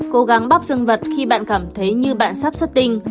cố gắng bóp dương vật khi bạn cảm thấy như bạn sắp xuất tinh